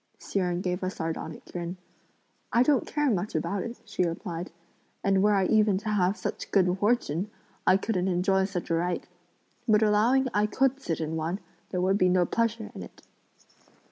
Hsi Jen gave a sardonic grin. "I don't care much about it," she replied; "and were I even to have such good fortune, I couldn't enjoy such a right. But allowing I could sit in one, there would be no pleasure in it!"